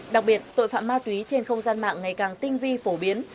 đặc biệt tội phạm ma túy trên không gian mạng ngày càng tinh vi phổ biến